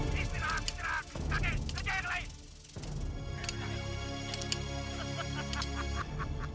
bismillahirrahmanirrahim kakek kerja yang lain